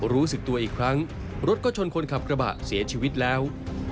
รู้สึกตัวอีกครั้งรถก็ชนคนขับกระบะเสียชีวิตแล้ว